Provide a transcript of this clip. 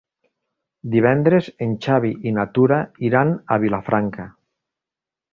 Divendres en Xavi i na Tura iran a Vilafranca.